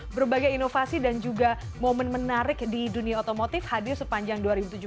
berbagai inovasi dan juga momen menarik di dunia otomotif hadir sepanjang dua ribu tujuh belas